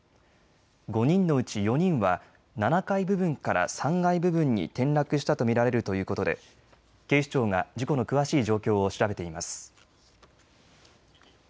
５人のうち４人は７階部分から３階部分に転落したと見られるということで警視庁が事故の詳しい状況を調べています。